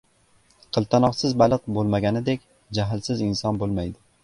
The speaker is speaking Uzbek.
• Qiltanoqsiz baliq bo‘lmaganidek, jahlsiz inson bo‘lmaydi.